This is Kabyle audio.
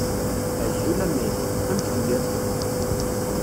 Azul a Meg, amek telliḍ?